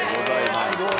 すごい。